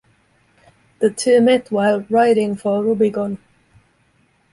The two met while writing for "Rubicon".